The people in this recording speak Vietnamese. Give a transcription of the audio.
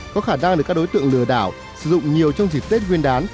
có khả năng được các đối tượng lừa đảo sử dụng nhiều trong dịp tết nguyên đán